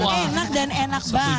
enak dan enak banget